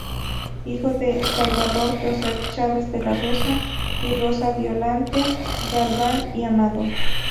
Hijo de Salvador Josef Chaves de la Rosa, y Rosa Violante Galván y Amado.